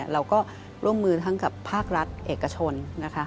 เราก็ร่วมมือทั้งกับภาครัฐเอกชนนะคะ